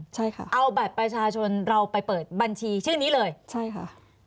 ใช่ค่ะเอาบัตรประชาชนเราไปเปิดบัญชีชื่อนี้เลยใช่ค่ะ